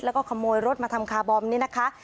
แล้วก็ขโมยรถมาทำคาร์บอมนี่นะคะ